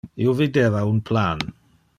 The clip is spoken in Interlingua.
Io videva un plan.